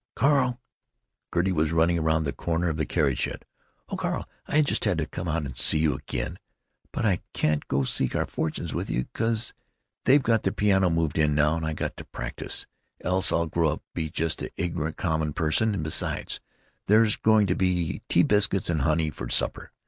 "Carl!" Gertie was running around the corner of the carriage shed. "Oh, Carl, I had to come out and see you again, but I can't go seek our fortunes with you, 'cause they've got the piano moved in now and I got to practise, else I'll grow up just an ignorant common person, and, besides, there's going to be tea biscuits and honey for supper.